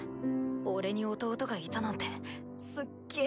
俺に弟がいたなんてすっげぇ